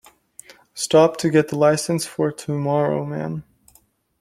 Stopped to get the license for to-morrow, ma'am.